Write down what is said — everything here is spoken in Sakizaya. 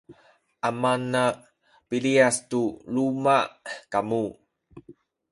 amana piliyas tu luma’ kamu